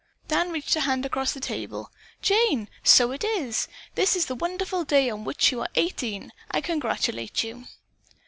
Dan reached a hand across the table. "Jane, so it is! This is the wonderful day on which you are eighteen. I congratulate you!"